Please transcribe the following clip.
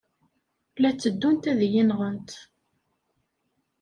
La tteddunt ad iyi-nɣent.